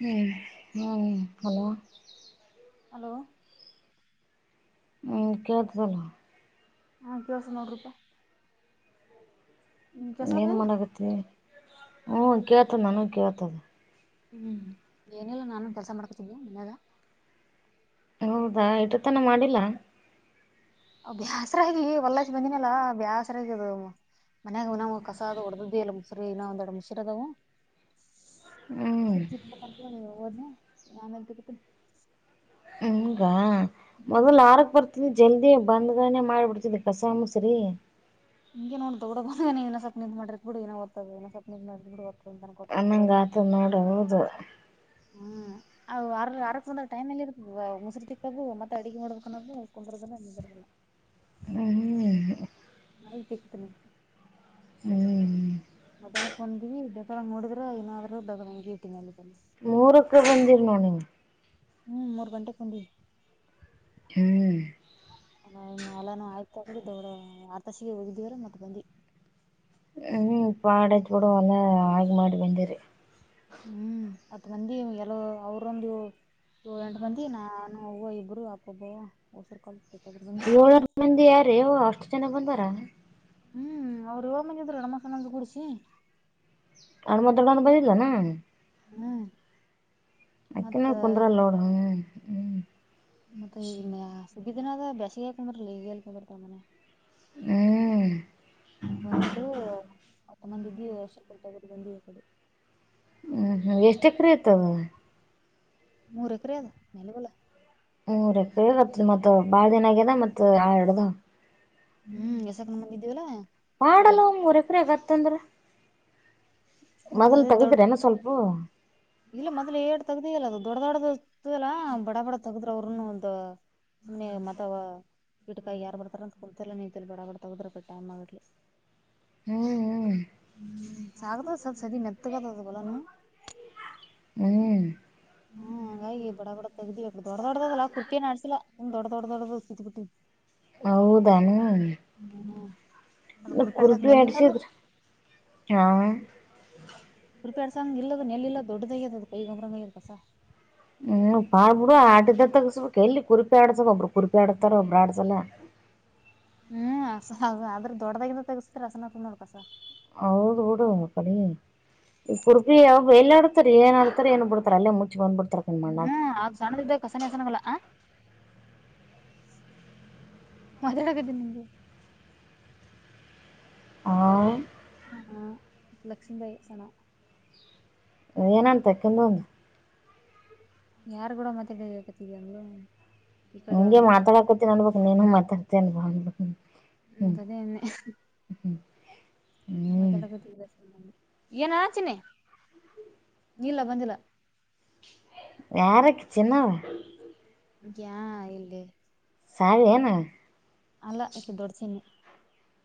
ಹ್ಮ್ ಹ್ಮ್ ಹ hello hello ಹ್ಮ್ ಕೇಳ್ತದಲ್ಲ. ಹಾ ಕೇಳಸ ನೋಡ್ರಿಪಾ ನಿಮ್ ಏನ್ ಕೇಳ್ಸದಿಲ್ಲ ಮಾಡಕತಿ ಹ್ಞ ಕೇಳ್ತದ ನಾನು ಕೇಳ್ತದೆ. ಹ್ಮ್ ಏನಿಲ್ಲ ನಾನು ಕೆಲಸ ಮಾಡ್ಕೊತೀನಿ ಮನೆಯಾಗ ಹೌದಾ ಇಟ್ಟು ತನ ಮಾಡಿಲ್ಲಾ. ಬ್ಯಾಸರಾಗಿ ಹೊಲದಾಗ್ ಬಂದಿನಲ್ಲಾ ಬ್ಯಾಸ್ರಗ ಅದು ಮನ್ಯಾಗ ನಾವು ಕಸ ಅ ಹೊಡದ್ದಿ ಎಲ್ಲ ಮುಸರಿ ಇನ್ನ ಒಂದೆಡು ಮುಸಿರೆ ಅದವು. ಹ್ಮ್ ಗತ್ತಕೊ [unintelligible] ಓದನನೆ ಆಮೇಲ್ ತೆಗಿತೀನಿ ಹ್ಮಂಗಾ ಮೊದಲು ಆರಕ್ ತ ಜಲ್ದಿ ಬಂದ್ನನೆ ಮಾಡ್ಬಿಡ್ತಿದ್ ಕಸ ಮಸ್ರ ಹಂಗೆ ನೋಡ್ ದೊಡಬ ಇನಸಪ್ ನಿಂದ ಮಾಡರ್ತ್ ಬಿ ಏನದತ್ತದೆ ಇನಸಪ್ ನಿ ಮಾಡ್ ಬಿ ಅನ್ನಂಗಾತ ನೋಡು ಹೌದು ಅ ಆ ಆರಂದ ಟೈಮ್ಲ್ಲಿ ಇರ್ತ ಮ ಮುಸರು ತಿಕ್ಕದು ಮತ್ತ ಅಡಗೆ ಮಾಡಬೇಕ [unintelligible] ಹ್ಮ್ ನ ಕತನ [unintelligible] ಹ್ಮ್ ಮಧ್ಯಾಹ್ಕ್ ಬಂದಿವವಿ ಬೆಗಳ ನೋಡಿದ್ರ ಇನ್ನಾದ್ರೂ ಬೆಗ ಹಂಗಿ ಇಟ್ಟನಲ್ಲಿ ಮೂರಕ್ಕೆ ಬಂದಿಲ್ಲ ನೋಡಿ ನೀನು ಹ್ಮ್ ಮೂರ್ ಗಂಟೆ ಹುಂಡಿವಿ ಹ್ಮ್ ಅಲಾನ ಆಯ್ತ ತಗಿ ದೊಡ್ಡ ಆರ್ ತಾಸಿಗೆ ಹೋಗಿದಿವವ್ರ ಮತ್ತತ್ ಬಂದಿ ಹ್ಮ್ ಪಾಡದ ಕೂಡಲ್ಲ ಆಲು ಮಾಡಿ ಬಂದಿರಿ ಹ್ಮ್ ಹತ್ ಮಂದಿ ಎಲ್ಲೋ ಅವ್ರೊಂದು ಏಳ ಎಂಟು ಮಂದಿ ನಾ ಹಾ ಇಬ್ಬರು ಅಪ್ಪಬ್ಬ ಉಸರು ಕ ಏಳ ಎಂಟು ಮಂದಿ ಯಾರ ಅವ್ವ ಅಷ್ಟು ಜನ ಬಂದಾರ ಹ್ಮ್ ಅವ್ ಯ ಮುಂದ್ ನಮ್ಮ ಸಣ್ಣಂದ ಕುಡಿಸಿ ನಣ ಮೊದಡಣ್ ಬಂದಿಲ್ಲ ನ ಹ್ಮ್ ಅಕನ ಮತ್ತ ಕುಂದರ ಲೋಡ ಮತ್ತೆ ಈ ಸಿ ದಿನದ ಬೇಸಿಗೆಕ್ರಕ್ರ ತ ಮ ಹ್ಞೂ ಬಂದಿದ್ರುತ್ತಮ್ಮಂದಿದ್ದಿ ಹೆಸರು ಕುತ [unintelligible] ಡಿಯ ಕಡೆಗೆ ಹ್ಮ್ ಹ್ಮ್ ಎಷ್ಟ ಎಕರೆ ಆಐತದ ಮೂರ್ ಎಕರೆ ಅದ ಮೇಲೆ ಬಲ್ಲ ಹ್ಮ ಮೂರೂ ಎಕರೆ ಮತ್ತ ಬಾಳ ದಿನ ಆಗ್ಯದ ಮತ್ ಆ ಎಡದ ಸಕಣ ಮಂದಿದ್ದೇವಲ್ಲ ಮಾಡಲ್ಲವ ಮೂರಕ್ರ ಆಗತ್ತಂದ್ರ ಮತ್ತ ಮೊದಲ್ ಅದೇ ದೊಡ್ ತಗದ್ರನ ಸ್ವಲ್ಪ ಇಲ್ಲ ಮೊದ್ ಏಡ್ ತಗ್ದಿ ಇಲ್ಲ ಅದು ದೊಡ್ಡ ದೊಡದು ಸಲ್ಲಾ ಬಡ ಬಡ ತಗದ್ರ ಅವರುನು ಒಂದು ಸುಮನೆ ಮತವ ಗಿಕಾಯಿ ಯಾರ ಬರ್ತಾರ ಅಂತ ಕುೂಂತ ನೀ ಬಡಾಡ ತಗೋರ ಟೈಮ್ಗಲಿ ಹ್ಞೂ ಹ್ಮ ಸಾಗತ ಸ ಸರಿ ಮೆತ್ತಗ ಬಲ ನ ಹ್ಮ್ ಹಾ ಹಾಗಾಗಿ ಬಡ ಬಡ ತಗ್ದ್ವಿಕ್ ದೊಡ್ ದೊಡ್ಡದಲ್ಲ ಕುಪೆ ನಡ್ಸಿಲ್ಲಾ ದೊಡ್ ದೊಡ್ಡ ದೊಡ್ ಸಿತ್ ಬಿಟ್ಟಿದ್ ಹೌದಾನ ಇ ಹ್ಮ್ ಅದು ಕುರ್ಪಿಡ್ಸಕ್ ಕುರ್ಪಿ ನೆಲ್ಲಿಲ್ಲ ಅದು ಆಡ್ಸಿದ್ರ ಹಾ ರುಪಿ ಅಡಸಂಗ ಇ ಅ ನೆ ಇಲ್ಲ ದೊಡಾಗದದು ಗಂಗರಂಗ ಇದಸ ಹ್ಮ್ ಪಾಪ ಬಿಡು ಆಟಿದ ತಗಸಬೇಕಕ್ ಎಲ್ಲಿ ಕುರುಪಿ ಆಡ್ಸ ಒಬ್ಬರು ಕುರುಪಿ ಆಡಡ್ತಾರ ಒಬ್ಬರು ಆಡ್ಸಲ್ಲ ಹ್ಮ್ಆದ್ರೆ ದೊಡ್ಡದಾಗಿಂತ ತಗಸ್ತತಿರಲ್ಲಸನ ನೋಡ್ಕಸ ಹೌದು ಡು ಕಡಿ ಈ ಕುಡುಪಿ ಯಾವ ಎಲ್ಲಾಡ್ ಏನ್ಡ್ತಾರೆ ನ್ ಬಿಡ್ತಾರೆ ಅಲ್ಲೇ ಮುಚ್ ಬಂದ್ ಬಿಡ್ತಾರೆ ಹ್ಮ್ ಆ [unintelligible] [inaudible] ಆ.. ಲಕ್ಷ್ಮಿ ಬಾಯ್ ಸಣ. ಏನಂತ ಅಕಿಂದು. ಯಾರ್ಗುಡ ಮಾತಾಡ್ಕತಿ ಅಂದ್ಲು. ಈ ಕಡೆ ಹಂಗೆ ಅಂದೆ ಮಾತಾಡಾಕೋತಿನ್ ನನ್ಬೇಕಕ್ ನೀನ ಮಾತಾಡ್ತಿ ಅನ್. [unintelligible] ಹ್ಮ ಹ್ಮ್. ಮಾತಡ ಏನೋ ಚಿನ್ನಿ ಇಲ್ಲ ಬಂದಿಲ್ಲ ಯಾರಕ್ಕ ಚಿನ್ನಾ ವ ಯಾ ಇಲ್ಲಿ ಸಾವಿ ಏನ ಅಲ್ಲ ಈಕಿ ದೊಡ್ಡ ಚಿನ್ನಿ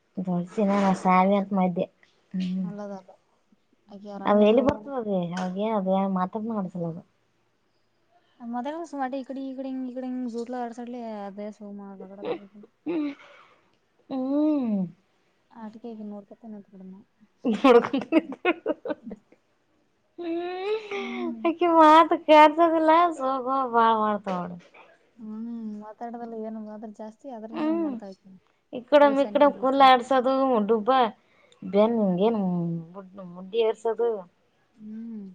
[inaudible] [inaudible] [unintelligible] ಆಕಿ ಅವ್ರ ಅದು ಅಣ್ಣ ಎಲ್ಲಿ ಎಲ್ಲಿಗೋ ಹೋಗ್ಯಾನ ಬರ್ತದ ಅವ ಅದ [unintelligible] [unintelligible] ಹ್ಮ್. [unintelligible] [unintelligible] ಹ್ಮ್ ಲ್ಲ ಸೋಗ ಬಾಳ್ ಮಾಡ್ತಡ ಹ್ಮ್ ಮಾತಾಡ್ದಲ್ಲ ಏನು ಮಾತ ಜಾಸ್ತಿ ಅದ್ರನು ಹ್ಮ್ ಮಾಡ್ತಾಳ ಆಕಿ ಇಕ್ಕಡ ಕೈ ಇಕ್ಕಡ ಸಣ್ಣ ಕುಲ್ಲ ಆಡ್ ಚದು ಡುಬ್ಬಾ ಬೆನ್ಂಗಗೆನ್ [unintelligible] ಎಸದು ಹ್ಮ್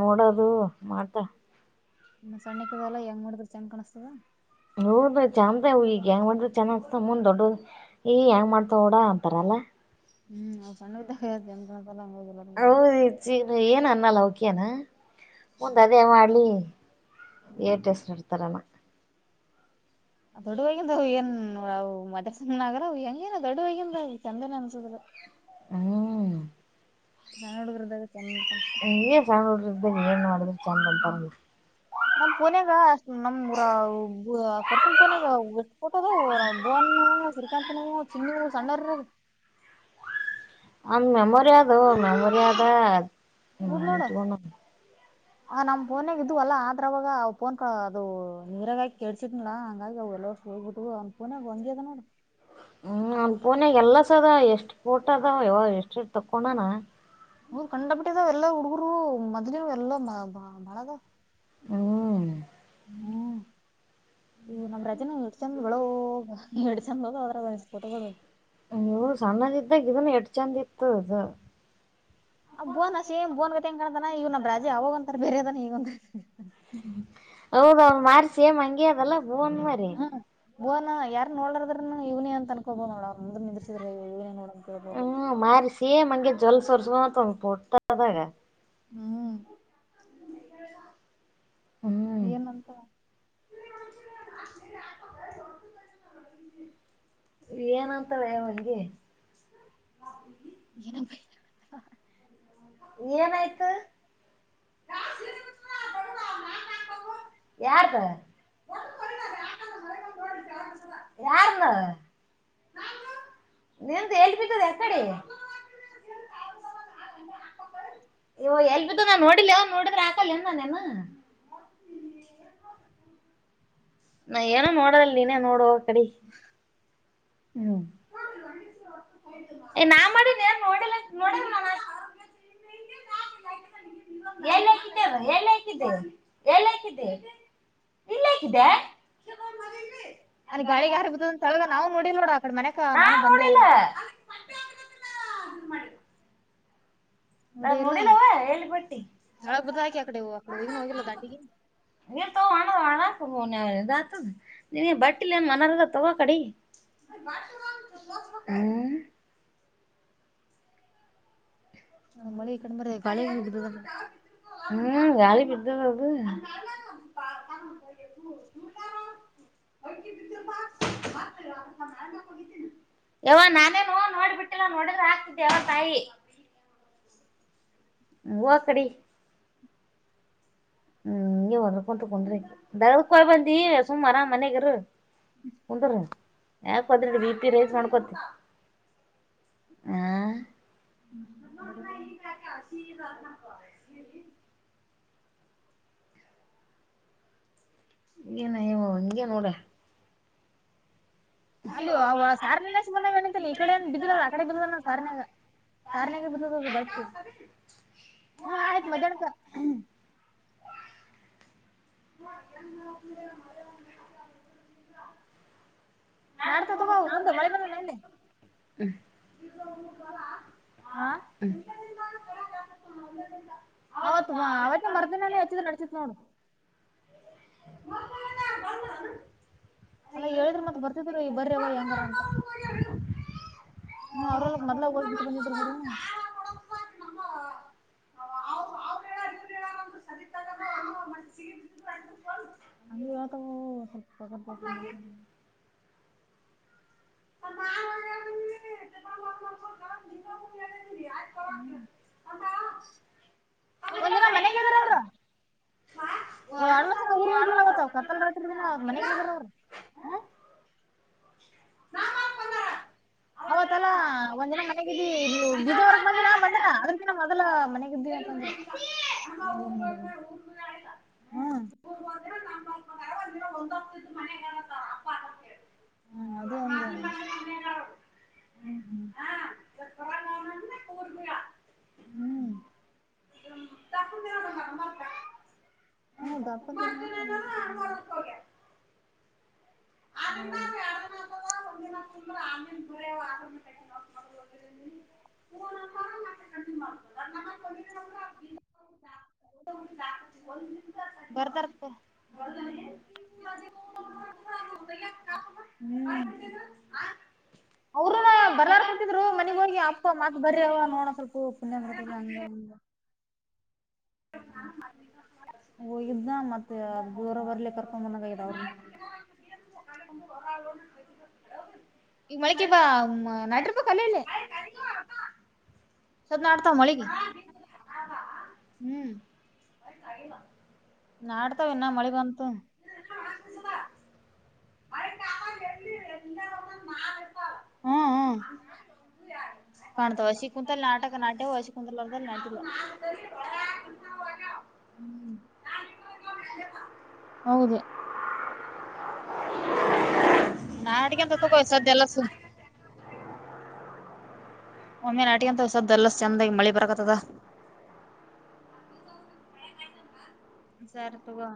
ನೋಡೋದು ಮಾಡತಾ ಇ ಸಣ್ಣ ಕದಲ್ಲಾ ಹೆಂಗ ಮಾಡಿದ್ರ ಚಂದ ಕಾಣಿಸತದ ನೋರ ಚಂದ ಈಗ ಹೆಂಗ್ ಮಾಡಿದ್ರ ಚಂದ ಅತ ಮುಂದ್ ದೊಡ್ಡ ಈ ಹೆಂಗ್ ಮಾಡ್ತಾವ ಲ್ಲಾ ಅಂತಾರಲ್ಲ ಹ್ಮ್ ಸಣ್ಣದ ಜಮ್ಲ್ಲ ಹ ಏನ ಅನ್ನಲ್ಲ ಓಕೆ ನಾ ಮುಂದ್ ಅದೇ ಮಾಡ್ಲಿ ಹ್ಮ್ ಟ ಎಸ್ರು ಇಡ್ತಾರಾನ ದೊಡ್ಡ ಹವಾಗಿಂದವು ಏನ್ವು ಮದ್ಯಸ್ ನಗರ ಹೆಂಗೇನ ದೊಡ್ಡ ಹವಾಗಿಂದ ಚಂದನ ಅನ್ಸುದ್ರ. ಹ್ಮ್. ನಾನ ಹುಡುಗ್ರದಾಗ [unintelligible] [unintelligible] ನಮ್ ಪೋನಾಗಷ್ಟ ನಮ್ [unintelligible] [unintelligible] ಅಂದ ಮೆಮೊರಿ ಅದು ಮೆಮೊರಿ ಇದ್ ನೋಡು ಅದೊಂಡ ಆ ನಮ್ ಫೋನಾಗ ಇದ್ವಲ್ಲ ಆದ್ರ ಅವವಾಗ ಅವು ಫೋನ್ ಕ ಅದು ನೀರಾಗಿ ಹಾಕಿ ಕೇಡ್ಸಿದ್ನಲ ಹಂಗಾಗಿ ಅವು ಎಲ್ಲ ಕೆಲಬಿಟ್ಟು ಅವ್ನ್ ಫೋನ್ಯಾಗ್ ಅಂಗೆ ಅದ ನೋಡು ಹ್ಮ್ ನನ್ ಪೋನಾಗ ಎಲ್ಲ ಸದ ಎಷ್ಟ್ ಫೋಟ ಅದಾವ ಯವ ಎಷ್ಟ್ ಎಷ್ಟ್ ತಕ್ಕೊಂಡನ ಹ್ ಕಂಡ ಬಿಟ್ಟದಾವ ಎಲ್ಲ ಹುಡುಗರು ಮದ್ ಎಲ್ಲ ಬಾಳದ ಹ್ಮ್ ಹ್ಮ್ ಹ್ ನಮ್ಮ ರಜಿನಿ ಎಷ್ಟ್ ಚಂದ್ ಬಡ ಎರಡ್ ಚಂದ ಅದ್ರದಾಗ್ ಫೋಟೋ ಗಳು ಅಯ್ಯ್ಯೋ ಸಣ್ಣದ ಇದ್ದಾಗ ಇದನ್ನು ಎಟ್ ಚಂದ ಇತ್ತು ಅದು ಅ ಬೋನ್ ಸೇಮ್ ಬೋನ್ ಗತ್ತ ಹೆಂಗ ಕ್ತಾನ ಇವ ನಮ್ ರಾಜಿ ಅವಾಗ ಒಂತಾರ ಬೇರೆ ಅದನ ಇವಗೊಂತರ ಇದನ ಹೌದ ಅವ್ನ್ ಮಾರಿ ಸೇಮ್ ಹಂಗೆ ಅದಲ್ಲ ಬೋನ್ ಮರಿ ಬುವನಾ ಯಾರ್ ನೋಡರದವ್ರುನು ಇವನೇ ಅಂತ ಅಂಬೋದು ನೋಡ ಅಂದ್ ನಿಿದ್ರಿಸಿದ್ರೆ ಇವನ ನೋಡ ಅಂತೇಳ್ಬೋದು ಹ್ಮ ಮಾರಿ ಸೇಮ್ ಹಂಗೆ ಜೋಲ್ ಸೋರ್ಸುತ ಒಂದ್ ಫೋಟೋದಾಗ ಹ್ಮ್ ಹ್ಮ್ ಏನ್ಂತ [inaudible] ಏನಂತಾರೆ ಅವನಿಗೆ ಏನ ಬ ಏನ್ ಆಯ್ತು ಯಾರದ ಯಾರನ್ನು [unintelligible] ನಿಂತ ಹೇಳ್ಬೇಕದೆ ಯಾಕಡಿ ಯವ್ವ ಎಲ್ ಬಿಿದ್ದುನಾ ನೋಡಿಿಲ್ಲ ನೋಡಿದ್ರೆ ಆಕಲ್ ನಾನೇನು ನಾ ಏನೋ ನೋಡದಿಲ್ ನೀನೇ ನೋಡುವ ಕಡೆ ಹ್ಮ್ ಏ ನಾನ್ ಮಾಡನ್ ನೋಡಿಲ್ಲ ನೋಡಿಲ್ಲ ನಾನು ಎಲ್ ಹಕಿದೆ ಅದು ಎಲ್ ಹಾಕಿದೆ ಎಲ್ ಹಾಕಿದೆ ಎಲ್ ಹಾಕಿದೆ ಅಲ್ಲಿ ಗಾಳಿಗ್ ಹಾರ್ ಬತ್ತದ ಅಂತಳಗ ನಾವು ನೋಡಿಲ್ ನೋಡ ಆಕಡೆ ಮನಕ ನಾ ನಾನ ಬಂದೇ ನೋಡಿಲ್ಲ ಇಲ್ಲ ನೋಡೇ ನಾನು ಇಲ್ಲ ನಡಿಲವ ಹೇಳ ಬಟ್ಟಿ ತೆಳಗ್ ಬಿದ್ದಾಕಿ ಆಕಡೆ ಆಕಡೆ ಹೋಗಿನ ಹೋಗಿಲ್ಲ ದಾಂಡಿಗಿ ನೀರ್ ತಗೊಂಡು ನೀ ಒನಕೆ ಹೋಗು ನಿಂಗೇನ್ ಬಟ್ಟಿಲ್ಲ ವಾ ಕಡಿ ಹ್ಮ್ [unintelligible] ಮಳಿ ಈ ಕಡೆ ಮರೆ ಗಾಳಿಗೆ ಬಿದ್ದದ ನೋಡ ಹ್ಮ್ ಗಾಳಿ ಬಿದ್ದದ್ದು ನೋಡು ಮಾಡೋಗ [inaudible] ಯವ್ವ ನಾನೇನುೋ ನೋಡ್ಬಿಟ್ಟಿಲ್ಲ ನೋಡಿದ್ರೆ ಆಕ್ತಿದ್ದೆವ ತಾಯಿ ಹೂವ ಕಡಿ ಹ [unintelligible] ಹ್ಮ್ ಇಂಗೆ ಹೋದ್ರುಕೊಂತ ಕುಂದ್ರಿ ಜಗಳಕ್ ಹೋಗಿ ಬಂದಿ ಸುಮ್ನೆ ಅರಾಮ್ ಆಗಿ ಮನೆಯಾಗಿರು ಕುಂದರ ಯಾಕ ಹೋದ್ರಿ ಬಿ. ಪಿ ರೈಸ್ ಮಾಡೋ್ಕೋತಿ ಹ್ಮ ಹ್ಮ ಒದ [inaudible] ಬ [unintelligible] ಏನ ವ ಹಂಗೆ ನೋಡ ಅಲ್ಲಿ ಸಾರ್ ನ ಮಂದಾಗ ನೆಿತಿನಿ ಈ ಕಡೆ ಬಿದ್ದ್ರದ ಅ ಕಡೆ ಬಿದ್ರದ ಸಾರಿನಾಗ ತಾಲೆ ಬತದೆ [unintelligible] ಹ್ಮ್ ಆಯ್ತ್ ಮದ್ಯಾನಕ ಹ [unintelligible] ನಾಡ್ತಾ ತಗೋ ಒಂದು ಮಳೆ ಬಂದ ನೆನಲಿ ಹಾ ಅವತ್ ಅವತ್ತೆ ಮರ್ದಿನಾನೇ ಹೆಚ್ಚಿದ್ ನಡಸತತ್ ನೋಡು ಬ [unintelligible] ಅಲ್ಲಾ ಹೇಳಿದ್ರಿ ಮತ್ ಬರ್ತಿದ್ರು ಈ ಬರ್ರ ಅವ ಹೆಂಗಾರ ಅಂತ ಹ್ಮ ಅವ್ರಲ್ಲ ಮೊದ್ಲ ಹೋಗ್ಬಿಟ್ಟ ಬಂದಿದ್ರ ಬೀಡು ಅವ ಅವ್ರ ಹೇಳೇಳ ಇವ್ರ್ ಹೇಳರ ನ ಸರಿತಾನದ ಅನ್ನುವ ಮನಸ [inaudible] ಅ ಇಗ ಜಸ್ತ [unintelligible] [unintelligible] ಹ್ಮ ಒಂದ್ ದಿನ ಮನೆಗಿದ್ರ ಅವರು ಅಣ್ಮನ ಊರಿಗೋಗಿದ್ವಲ ಅವತ್ತು ಇದ್ ಆತ್ವ ಕತ್ತಲ್ ರಾತ್ರಿ ದಿನ ಮನೆಗೆ ಇದ್ರಲಾ ಅವ್ರ ನಾ ಮಾ ಬಂದಾರ ಅವತ್ತಲ್ಲಾ ಒಂದ್ ದಿನ ಮನೆಗಿದ್ದಿ ಬೀಜವರ್ ಮಂದೀನ ಬಂದರ ಅದ್ರ ಕಿನ ಮೊದಲ ಮನೆಗಿದ್ವಿಂತ ಚಂದ್ರ [unintelligible] ಅಮ ುಕುಕ [inaudible] ಹ್ಮ್ ಹರ್ಂದ್ರ ನ ಒಂದ ಹ್ತದ್ದ ಮನೆಾಗಾರ ಅಮ್ಮ ಅಂತ ಹೇಳಿ [unintelligible] ಹ್ಮ ಅದೇ ಅಂದೆ ಅಣ್ಣ ಹ್ಮ್ ಹ್ಮ್ ಕರ ಗಂತ ನ ಪೂರ್ಬಾ [unintelligible] ಹ್ಮ್ ಗಪ್ಪ ನ [unintelligible] ಹೌದು ಹ [unintelligible] ಹ [unintelligible] ಹಾ [unintelligible] ಬರ್ತಾರಕ್ಕ [unintelligible] [inaudible] ಅವ್ರುನು ಬರ್ಲಾರ್ ಕುಂತಿದ್ರು ಮನಗ್ ಹೋಗಿ ಅಪ್ಪ ಮಾತ್ ಬರ ಅವ ನೋಡೋ ಸ್ವಲ್ಪ ಪುಣ್ಯ ಬರತದ ಹಂಗ ಹಂಗ ಮಾಡ [unintelligible] ಹೋಗಿದ್ನ ಮತ್ತೆ ಚೂರ್ ಬರ್ಲಿ ಕರ್ಕೊಂಡ್ ಬಂದಂಗ ಆಗದ ಅವ್ರುನು [inaudible] ಈಗ ಮಳಿಕಿ ಬಾ ನಟಿರ್ಬೇಕ ಅಲ್ಲ ಇಲ್ಲಿ [unintelligible] ಸದ್ ನಾಡ್ತಾವ ಮಳಿಗಿ [unintelligible] ಹ್ಮ್ ಮ ಕಾಯಮ [unintelligible] ನಾಡ್ತವೆ ಇನ್ನ ಮಳಿಬಂತು ಅ ನಾಮ ಎಲ್ಲಿ ಎಲ್ಯಾರ ಹ್ಮ್ ಹ್ಮ್ ಕಾಣ್ತವೆ ವಶಿ ಕುಂತಲ್ಲಿ ನಾಟಕ ನಾಟ್ಯವು ವಶಿ ಕುಂತಲ್ರ್ ನಟ್ಯ ಎಂತರ [unintelligible] ಹ್ಮ್ [unintelligible] ಹೌದು. ನಾಡಿಗೆಂತ ತಗೋ ಸದ್ದೆಲ್ಲ. ಒಮ್ಮೆ ನಾಟಿ ಅಂತಸದ್ದ ಎಲ್ಲಾ ಚಂದಾಗಿ ಮಳಿ ಬರಕತ್ತದ. ಸರಿ ತೊಗೊ.